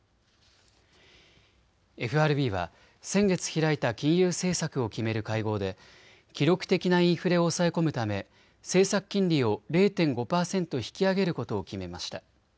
ＦＲＢは先月開いた金融政策を決める会合で、記録的なインフレを抑え込むため政策金利を０．５％引き上げることを決めました。